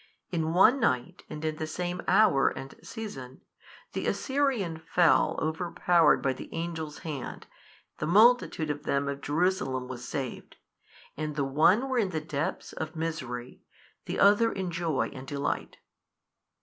In one night and in the same hour and season, the Assyrian fell overpowered by Angel's hand, the multitude of them of Jerusalem was saved, and the one were in the depths of misery, the other in joy and delight.